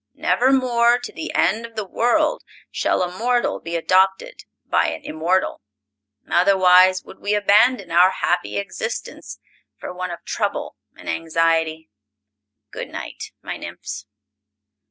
Never more, to the end of the World, shall a mortal be adopted by an immortal. Otherwise would we abandon our happy existence for one of trouble and anxiety. Good night, my nymphs!"